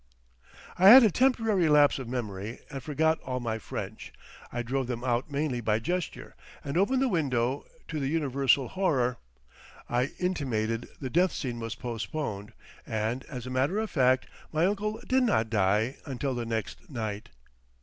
I had a temporary lapse of memory, and forgot all my French. I drove them out mainly by gesture, and opened the window, to the universal horror. I intimated the death scene was postponed, and, as a matter of fact, my uncle did not die until the next night.